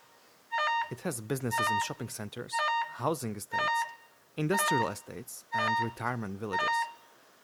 It has business in shopping centres, housing estates, industrial estates and retirement villages.